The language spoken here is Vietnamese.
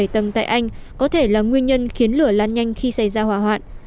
bảy tầng tại anh có thể là nguyên nhân khiến lửa lan nhanh khi xảy ra hỏa hoạn